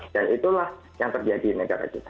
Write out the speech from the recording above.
dan itulah yang terjadi di negara kita